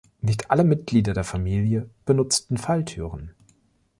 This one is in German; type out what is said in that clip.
Nicht alle Mitglieder der Familie benutzen Falltüren.